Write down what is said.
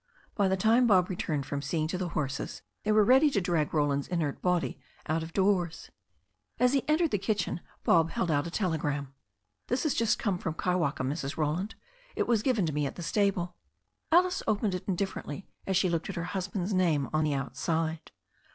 By the time Bob returned from seeing to the horses they were ready to drag Roland's inert body out of doors. As he entered the kitchen Bob held out a telegram. "This has just come from Kaiwaka^ Mrs. Roland. It was ^iven to me at the stable." Alice opened it indifferently as she looked at her hus l)and's name on the outside.